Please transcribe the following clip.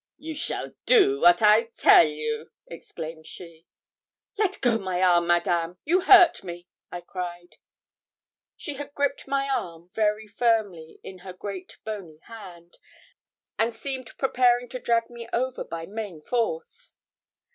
'You shall do wat I tell you!' exclaimed she. 'Let go my arm, Madame, you hurt me,' I cried. She had griped my arm very firmly in her great bony hand, and seemed preparing to drag me over by main force.